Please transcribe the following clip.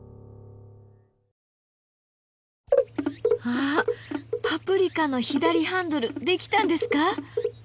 あっパプリカの左ハンドル出来たんですか？